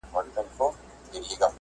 الله تعالی ښه پوهيږي، چي زه بريئه هم يم.